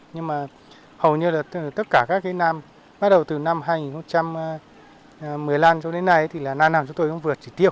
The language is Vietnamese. nhưng mà hầu như là tất cả các năm bắt đầu từ năm hai nghìn một mươi năm cho đến nay thì là na năm chúng tôi cũng vượt chỉ tiêu